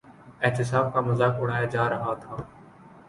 احتساب کا مذاق اڑایا جا رہا تھا۔